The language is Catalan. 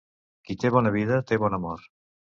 Qui té bona vida té bona mort.